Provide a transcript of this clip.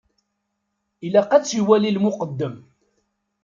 Ilaq ad tt-iwali lmuqeddem.